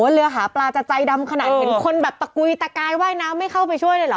เรือหาปลาจะใจดำขนาดเหมือนคนแบบตะกุยตะกายว่ายน้ำไม่เข้าไปช่วยเลยเหรอ